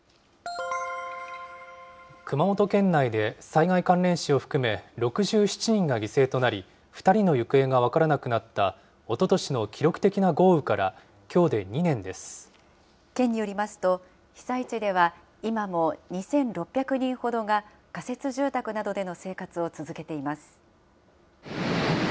熊本県内で災害関連死を含め６７人が犠牲となり、２人の行方が分からなくなったおととしの記録的な豪雨からきょう県によりますと、被災地では今も２６００人ほどが仮設住宅などでの生活を続けています。